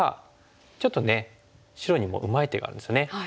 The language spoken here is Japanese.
ちょっとね白にもうまい手があるんですね。